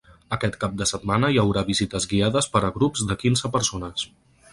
Aquest cap de setmana hi haurà visites guiades per a grups de quinze persones.